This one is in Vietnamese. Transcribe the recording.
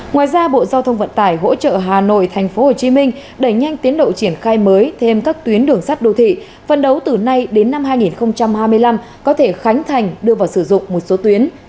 ngoài ra bộ giao thông vận tải hỗ trợ hà nội tp hcm đẩy nhanh tiến độ triển khai mới thêm các tuyến đường sắt đô thị phân đấu từ nay đến năm hai nghìn hai mươi năm có thể khánh thành đưa vào sử dụng một số tuyến